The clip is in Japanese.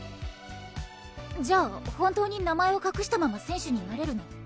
じゃあ本当に名前を隠したまま選手になれるの？